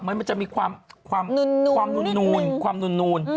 มันจะมีความนูน